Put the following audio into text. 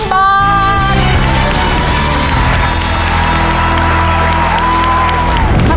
ขอบคุณครับ